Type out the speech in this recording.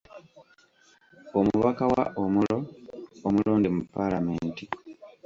Omubaka wa Omoro omulonde mu Paalamenti.